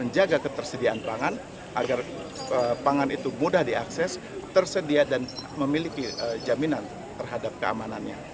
menjaga ketersediaan pangan agar pangan itu mudah diakses tersedia dan memiliki jaminan terhadap keamanannya